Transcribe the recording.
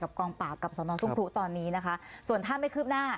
กับกองปากกับสอนรนด์สุงทุตอนนี้นะฮะส่วนถ้าไม่คืบหน้า